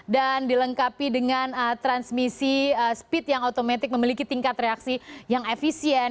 dan dilengkapi dengan transmisi speed yang otomatik memiliki tingkat reaksi yang efisien